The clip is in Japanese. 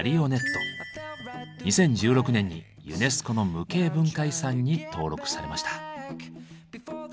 ２０１６年にユネスコの無形文化遺産に登録されました。